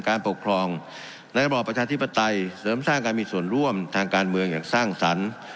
การปกครองในระบอบประชาธิปไตยเสริมสร้างการมีส่วนร่วมทางการเมืองอย่างสร้างสรรค์